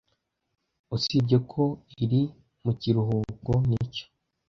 Usibye ko iri mu kiruhuko. Nicyo